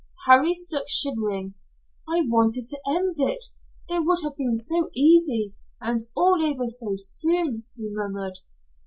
Harry stood, shivering. "I wanted to end it. It would have been so easy, and all over so soon," he murmured.